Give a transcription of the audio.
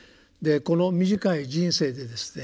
この短い人生でですね